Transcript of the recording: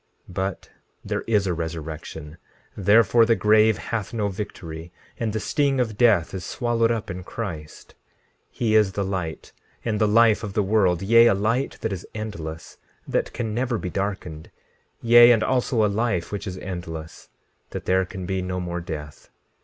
16:8 But there is a resurrection, therefore the grave hath no victory, and the sting of death is swallowed up in Christ. 16:9 He is the light and the life of the world; yea, a light that is endless, that can never be darkened; yea, and also a life which is endless, that there can be no more death.